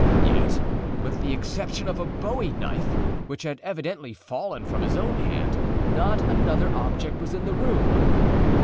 Yet, with the exception of a bowie knife, which had evidently fallen from his own hand, not another object was in the room.